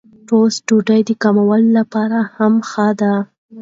ټوسټ ډوډۍ د کولمو لپاره هم ښه ده.